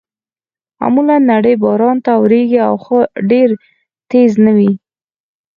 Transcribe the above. معمولاً نری باران اورېږي، خو ډېر تېز نه وي.